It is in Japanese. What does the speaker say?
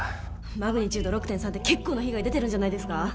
マグニチュード６．３って結構な被害出てるんじゃないですか？